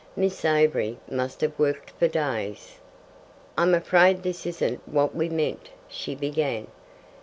Miss Avery must have worked for days. "I'm afraid this isn't what we meant," she began.